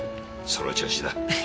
その調子だ。